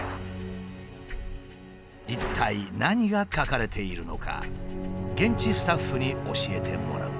一体何が書かれているのか現地スタッフに教えてもらう。